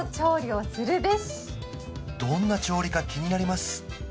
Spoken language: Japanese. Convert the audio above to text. どんな調理か気になります